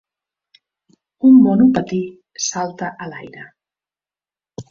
un monopatí salta a l'aire